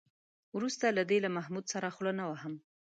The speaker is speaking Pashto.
وروسته له دې له محمود سره خوله نه وهم.